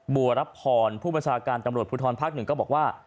บัวรับผลผู้ประชาการธรรมโรดภูเทอร์นพักหนึ่งก็บอกว่า